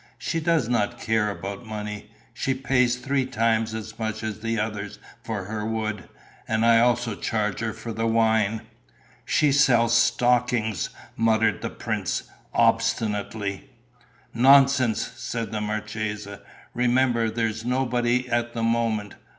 She does not care about money. She pays three times as much as the others for her wood; and I also charge her for the wine." "She sells stockings," muttered the prince, obstinately. "Nonsense!" said the marchesa. "Remember that there's nobody at the moment.